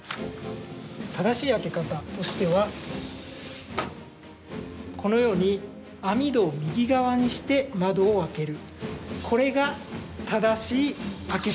正しい開け方としてはこのように網戸を右側にして窓を開ける。